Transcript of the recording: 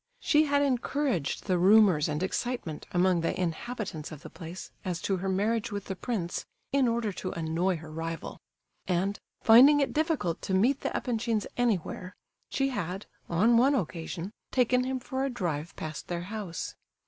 She had encouraged the rumours and excitement among the inhabitants of the place as to her marriage with the prince, in order to annoy her rival; and, finding it difficult to meet the Epanchins anywhere, she had, on one occasion, taken him for a drive past their house.